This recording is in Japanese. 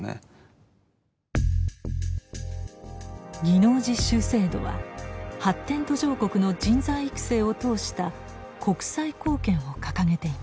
技能実習制度は発展途上国の人材育成を通した「国際貢献」を掲げています。